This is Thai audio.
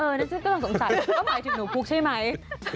เออฉันก็สงสัยว่าหมายถึงหนูพุกใช่ไหม